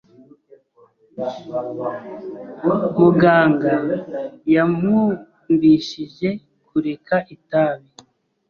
Muganga yamwumvishije kureka itabi.